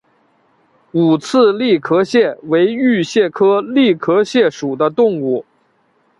五刺栗壳蟹为玉蟹科栗壳蟹属的动物。